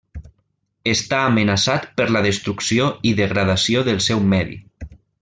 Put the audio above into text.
Està amenaçat per la destrucció i degradació del seu medi.